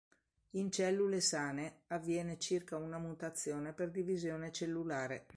In cellule sane, avviene circa una mutazione per divisione cellulare.